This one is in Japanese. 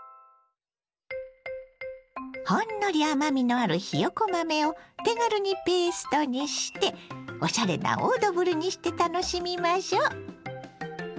ほんのり甘みのあるひよこ豆を手軽にペーストにしておしゃれなオードブルにして楽しみましょう。